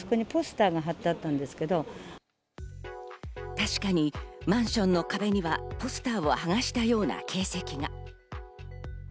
確かにマンションの壁にはポスターをはがしたような形跡が。